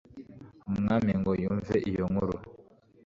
umwami ngo yumve iyo nkuru